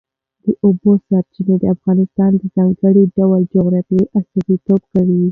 د اوبو سرچینې د افغانستان د ځانګړي ډول جغرافیه استازیتوب کوي.